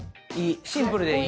シンプルでいい。